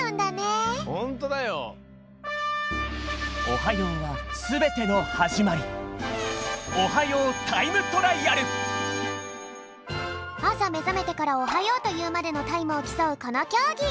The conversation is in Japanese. おはようはすべてのはじまりあさめざめてから「おはよう」というまでのタイムをきそうこのきょうぎ。